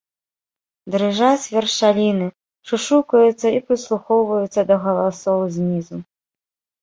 Дрыжаць вершаліны, шушукаюцца і прыслухоўваюцца да галасоў знізу.